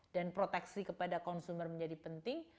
dan proteksi kepada consumer menjadi penting